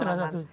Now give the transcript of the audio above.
itu salah satu